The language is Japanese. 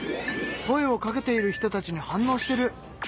声をかけている人たちに反応してる！